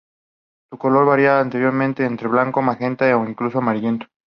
Su color varia aleatoriamente entre blanco, magenta o incluso amarillento.